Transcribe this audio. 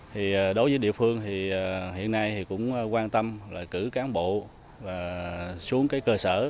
thì đối với địa phương thì hiện nay thì cũng quan tâm là cử cán bộ và xuống cái cơ sở